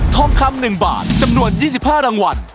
ทองคำ๑บาทจำนวน๒๕รางวัล